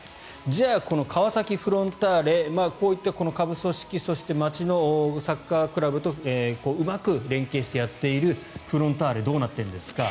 じゃあ、この川崎フロンターレこういった下部組織そして街のサッカークラブとうまく連携してやっているフロンターレどうなっているんですか。